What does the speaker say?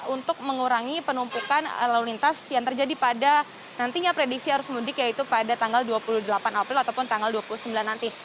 untuk mengurangi penumpukan lalu lintas yang terjadi pada nantinya prediksi harus mudik yaitu pada tanggal dua puluh delapan april ataupun tanggal dua puluh sembilan nanti